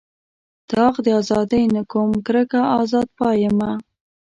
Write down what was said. داغ د ازادۍ نه کوم کرکه ازاد پایمه.